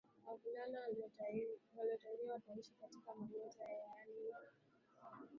wavulana waliotahiriwa wataishi katika manyatta yaani kijiji kilichojengwa na mama zao